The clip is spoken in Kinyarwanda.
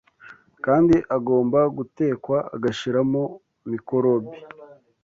kandi agomba gutekwa agashiramo mikorobi